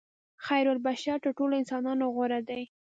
خیرالبشر تر ټولو انسانانو غوره دي.